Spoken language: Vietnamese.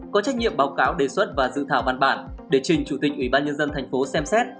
có trách nhiệm báo cáo đề xuất và dự thảo văn bản để trình chủ tịch ủy ban nhân dân thành phố xem xét